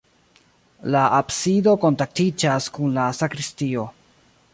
La absido kontaktiĝas kun la sakristio.